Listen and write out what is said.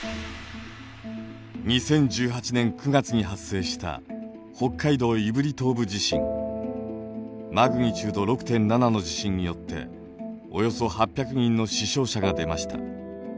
２０１８年９月に発生したマグニチュード６．７の地震によっておよそ８００人の死傷者が出ました。